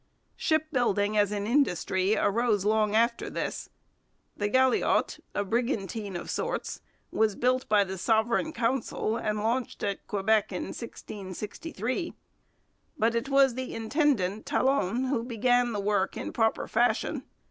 Shipbuilding as an industry arose long after this. The Galiote, a brigantine of sorts, was built by the Sovereign Council and launched at Quebec in 1663. But it was the intendant Talon who began the work in proper fashion.